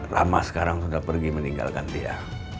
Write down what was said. rama sekarang sudah pergi meninggalkan dia